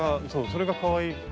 それがかわいいから。